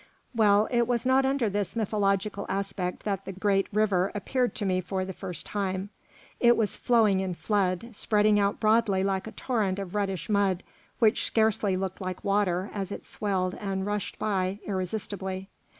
Well, it was not under this mythological aspect that the great river appeared to me for the first time. It was flowing in flood, spreading out broadly like a torrent of reddish mud which scarcely looked like water as it swelled and rushed by irresistibly.